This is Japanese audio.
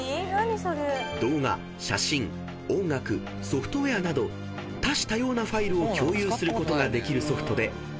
［動画写真音楽ソフトウェアなど多種多様なファイルを共有することができるソフトで爆発的に普及］